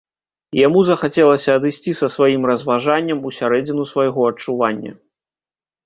Яму захацелася адысці са сваім разважаннем усярэдзіну свайго адчування.